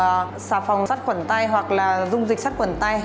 các phụ huynh có thể là rửa tay bằng xà phòng sắt quẩn tay hoặc là dung dịch sắt quẩn tay